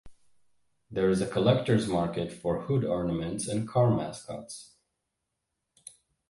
There is a collectors market for hood ornaments and car mascots.